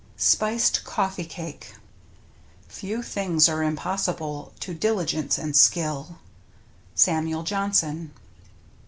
SPICED COFFEE CAKE Few things are impossible to diligence and skill. — Samuel Johnson.